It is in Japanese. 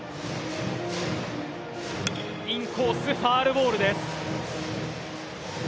インコース、ファウルボールです。